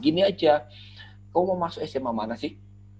gini aja kau mau masuk sma mana sih